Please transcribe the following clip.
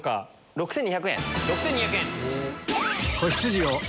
６２００円。